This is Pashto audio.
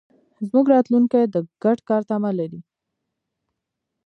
زموږ راتلونکی د ګډ کار تمه لري.